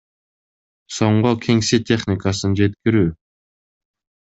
сомго кеңсе техникасын жеткирүү.